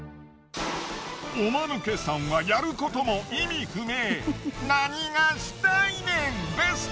おマヌケさんはやることも意味不明。